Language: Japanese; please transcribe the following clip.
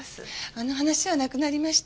あの話はなくなりました。